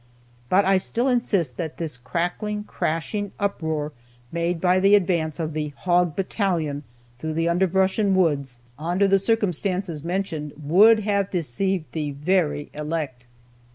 But I still insist that this crackling, crashing uproar, made by the advance of the "hog battalion" through the underbrush and woods, under the circumstances mentioned, would have deceived "the very elect."